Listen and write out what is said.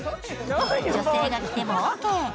女性が着てもオーケー。